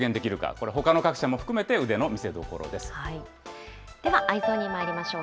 これ、ほかの各社も含めて、ではＥｙｅｓｏｎにまいりましょう。